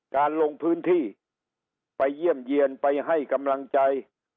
การลงพื้นที่ไปเยี่ยมเยี่ยนไปให้กำลังใจ